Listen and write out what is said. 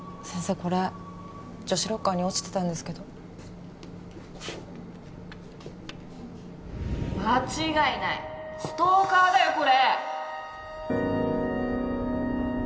これ女子ロッカーに落ちてたんですけど間違いないストーカーだよこれ